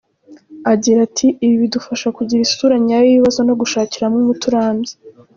Agira ati “Ibi bidufasha kugira isura nyayo y’ibibazo no gushakira hamwe umuti urambye.